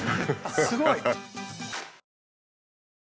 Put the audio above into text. すごい！